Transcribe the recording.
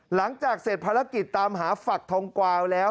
หลังจากเสร็จภารกิจตามหาฝักทองกวาวแล้ว